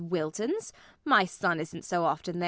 Wilton's? My son isn't so often there.